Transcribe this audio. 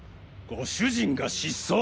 ご主人が失踪！？